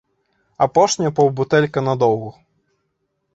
Апошняя паўбутэлька на доўг.